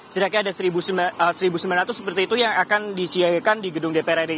setidaknya ada satu sembilan ratus seperti itu yang akan disiagakan di gedung dpr ri